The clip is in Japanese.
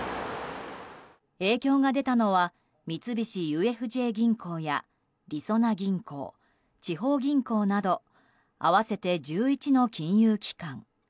影響が出たのは三菱ＵＦＪ銀行や、りそな銀行地方銀行など合わせて１１の金融機関。